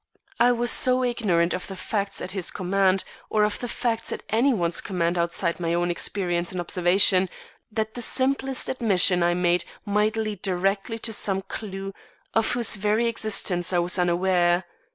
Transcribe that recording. I was so ignorant of the facts at his command, of the facts at any one's command outside my own experience and observation, that the simplest admission I made might lead directly to some clew of whose very existence I was unaware.